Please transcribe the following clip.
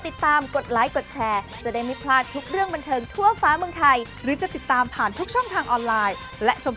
เราก็เป็นเอฟซีจำเนื้อเพลงเค้าใหม่เพียงเค้าแล้วกัน